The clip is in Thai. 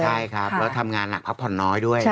ใช่ครับแล้วทำงานหนักพักผ่อนน้อยด้วย